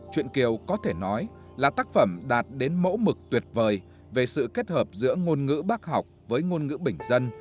chuyện kiều có thể nói là tác phẩm đạt đến mẫu mực tuyệt vời về sự kết hợp giữa ngôn ngữ bác học với ngôn ngữ bình dân